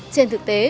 trên thực tế